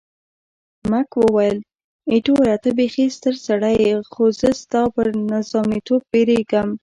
مک وویل، ایټوره ته بیخي ستر سړی یې، خو زه ستا پر نظامیتوب بیریږم.